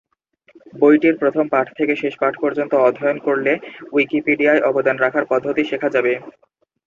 বইটির প্রথম পাঠ থেকে শেষ পাঠ পর্যন্ত অধ্যয়ন করলে উইকিপিডিয়ায় অবদান রাখার পদ্ধতি শেখা যাবে।